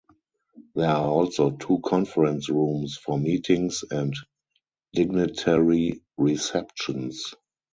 There are also two conference rooms for meetings and dignitary receptions.